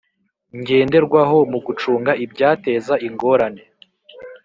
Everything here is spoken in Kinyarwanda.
Ngenderwaho mu gucunga ibyateza ingorane